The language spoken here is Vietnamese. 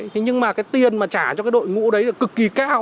thế nhưng mà cái tiền mà trả cho cái đội ngũ đấy là cực kỳ cao